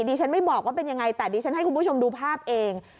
ดิฉันไม่บอกว่าเป็นยังไงแต่ดิฉันให้คุณผู้ชมดูภาพเอง